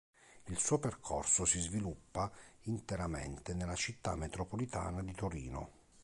Il suo percorso si sviluppa interamente nella città metropolitana di Torino.